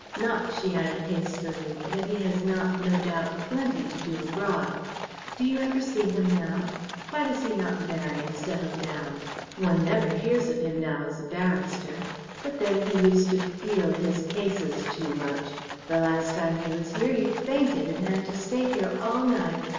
Not," (she added hastily) "that he has not, no doubt, plenty to do abroad. Do you ever see him now? Why does he not marry and settle down? One never hears of him now as a barrister. But then he used to feel his cases too much. The last time he was here he fainted and had to stay here all night.